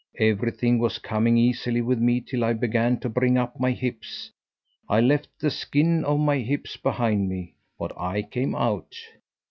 Everything was coming easily with me till I began to bring up my hips. I left the skin of my hips behind me, but I came out.